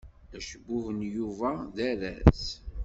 Acebbub n Yuba d aras.